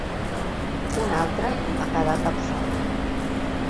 Un altre ha quedat absolt.